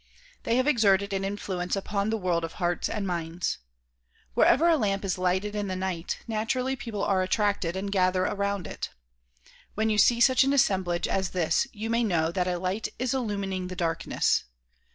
They have exerted an influence upon the world of hearts and minds. Wherever a lamp is lighted in the night, naturally people are attracted and gather around it. When you see such an assemblage as this you may know that a light is illumining the darkness.